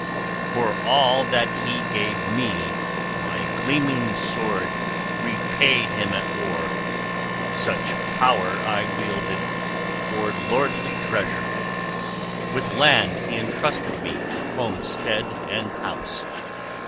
"For all that he {33b} gave me, my gleaming sword repaid him at war, such power I wielded, for lordly treasure: with land he entrusted me, homestead and house.